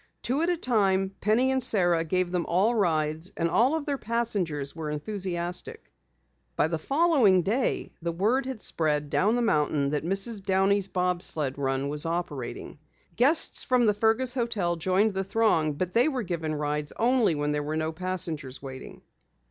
Two at a time, Penny and Sara gave them rides and all of their passengers were enthusiastic. By the following day the word had spread down the mountain that Mrs. Downey's bob sled run was operating. Guests from the Fergus hotel joined the throng but they were given rides only when there were no passengers waiting.